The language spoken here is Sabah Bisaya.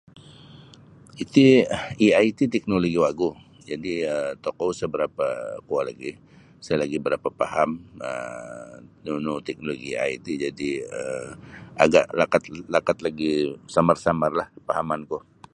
Iti AI ti teknoloji wagu jadi' um tokou sa barapa' kuo lagi' sa lagi' barapa' paham um nunu teknoloji AI ti jadi' um agak lakat lakat lagi' samar-samarlah pahamanku.